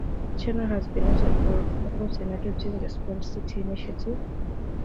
China has been noted for its effort in adopting the Sponge City initiative.